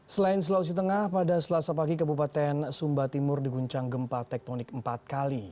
selain sulawesi tengah pada selasa pagi kabupaten sumba timur diguncang gempa tektonik empat kali